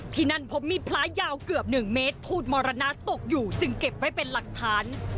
ที่นั่นพบมีดพระยาวเกือบ๑เมตรขูดมรณะตกอยู่จึงเก็บไว้เป็นหลักฐาน